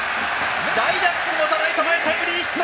代打、楠本ライト前タイムリーヒット！